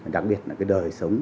đặc biệt là đời sống